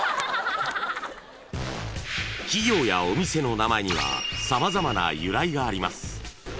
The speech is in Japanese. ［企業やお店の名前には様々な由来があります］